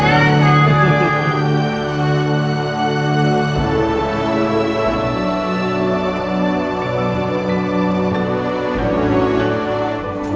terima kasih ya